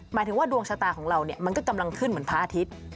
หมายถึงว่าดวงชะตาของเราเนี่ยมันก็กำลังขึ้นเหมือนพระอาทิตย์